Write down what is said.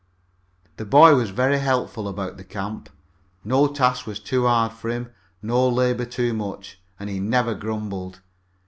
The boy was very helpful about camp. No task was too hard for him, no labor too much, and he never grumbled.